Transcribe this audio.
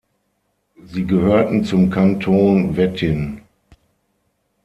Sie gehörten zum Kanton Wettin.